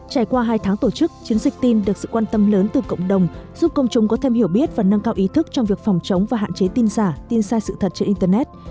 trải qua hai tháng tổ chức chiến dịch tin được sự quan tâm lớn từ cộng đồng giúp công chúng có thêm hiểu biết và nâng cao ý thức trong việc phòng chống và hạn chế tin giả tin sai sự thật trên internet